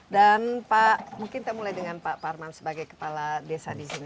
dan pak mungkin kita mulai dengan pak parman sebagai kepala desa di sini